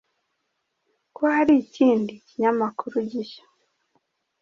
ko hari ikindi Kinyamakuru gishya